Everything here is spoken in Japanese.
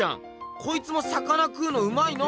こいつも魚食うのうまいな。